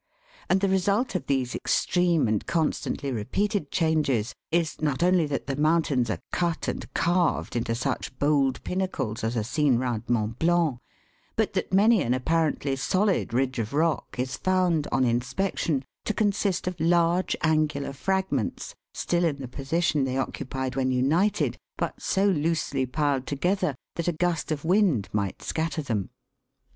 And the result of these extreme and constantly repeated changes is, not only that the mountains are cut and carved into such bold pinnacles as are seen around Mont Blanc, but that many an appa rently solid ridge of rock is found, on inspection, to consist of large angular fragments, still in the position they occu pied when united, but so loosely piled together that a gust of wind might scatter them.